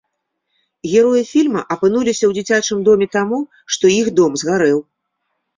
Героі фільма апынуліся ў дзіцячым доме таму, што іх дом згарэў.